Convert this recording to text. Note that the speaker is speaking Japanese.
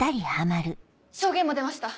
証言も出ました